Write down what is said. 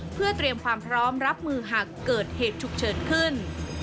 เพื่อเตรียมความพร้อมรับมือหากเกิดเหตุฉุกเฉินขึ้น